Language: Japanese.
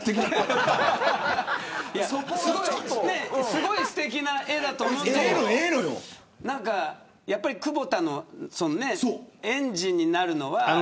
すごいすてきな絵だと思うんですが久保田のエンジンになるのは。